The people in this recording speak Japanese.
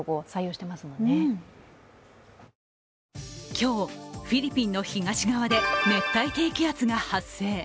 今日、フィリピンの東側で熱帯低気圧が発生。